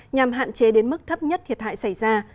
nhằm hạn chế đến mức thấp nhất thiệt hại xảy ra